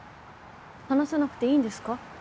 話さなくていいんですか？